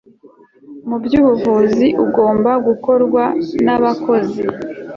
mu byubuvuzi ugomba gukorwa nabakozi